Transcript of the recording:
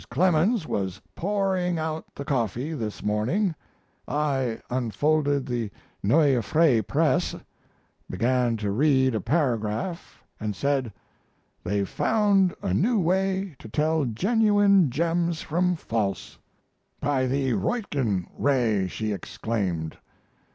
Clemens was pouring out the coffee this morning; I unfolded the Neue Freie Presse, began to read a paragraph & said: "They've found a new way to tell genuine gems from false " "By the Roentgen ray!" she exclaimed.